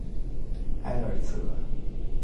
埃尔泽。